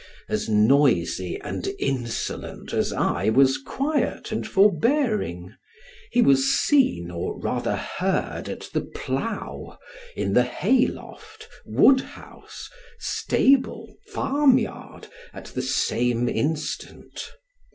As noisy and insolent as I was quiet and forbearing, he was seen or rather heard at the plough, in the hay loft, wood house, stable, farm yard, at the same instant.